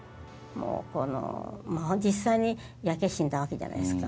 実際に焼け死んだわけじゃないですか。